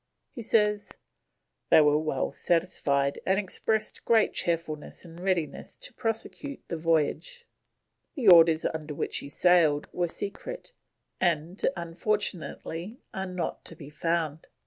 He says, "they were well satisfied, and expressed great cheerfulness and readiness to prosecute the voyage." The orders under which he sailed were secret, and, unfortunately, are not to be found.